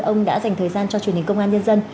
ông đã dành thời gian cho truyền hình công an nhân dân